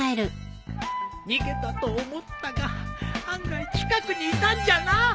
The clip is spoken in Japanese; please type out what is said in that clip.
逃げたと思ったが案外近くにいたんじゃな